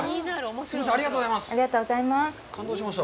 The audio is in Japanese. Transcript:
ありがとうございます。